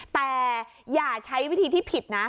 แต่อย่าใช้วิธีที่ผิดนะ